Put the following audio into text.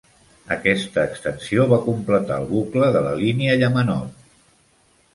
Aquesta extensió va completar el bucle de la línia Yamanote.